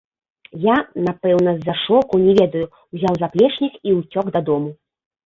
Я, напэўна, з-за шоку, не ведаю, узяў заплечнік і ўцёк дадому.